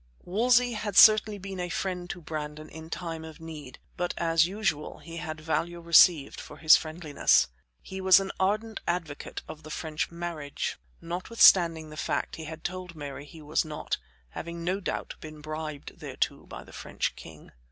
Wolsey had certainly been a friend to Brandon in time of need, but, as usual, he had value received for his friendliness. He was an ardent advocate of the French marriage, notwithstanding the fact he had told Mary he was not; having no doubt been bribed thereto by the French king.